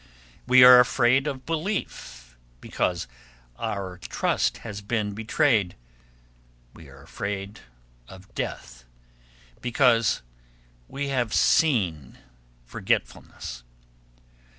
We are afraid of belief, because our trust has been betrayed. We are afraid of death, because we have seen forgetfulness.